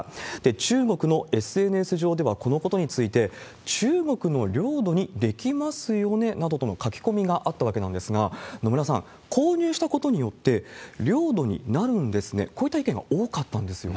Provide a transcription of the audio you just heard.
中国のＳＮＳ上では、このことについて、中国の領土にできますよねなどとの書き込みがあったわけなんですが、野村さん、購入したことによって、領土になるんですね、こういった意見が多かったんですよね。